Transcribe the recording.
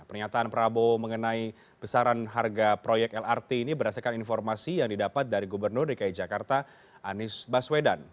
pernyataan prabowo mengenai besaran harga proyek lrt ini berdasarkan informasi yang didapat dari gubernur dki jakarta anies baswedan